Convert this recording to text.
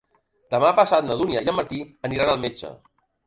Demà passat na Dúnia i en Martí aniran al metge.